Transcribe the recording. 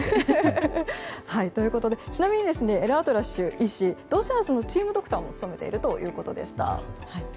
ちなみにエルアトラッシュ医師はドジャースのチームドクターも務めているということでした。